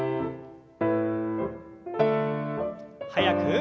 速く。